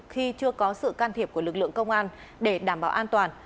khi chưa có sự can thiệp của lực lượng công an để đảm bảo an toàn